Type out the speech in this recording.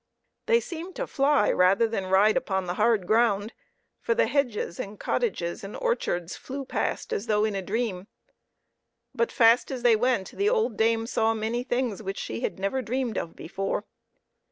They seemed to fly rather than ride upon the hard ground, for the hedges and cottages and orchards flew past as though in a dream. But fast as they went, the old dame saw many things which she had never dreamed of before.